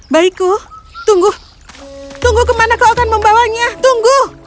baikku tunggu tunggu kemana kau akan membawanya tunggu